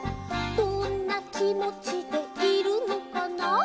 「どんなきもちでいるのかな」